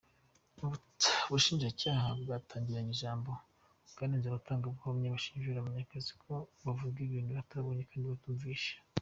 Ubushinjacyaha bwatangiranye ijambo bwanenze abatangabuhamya bashinjura Munyakazi ko bavuga ibintu batabonye kandi batumvise.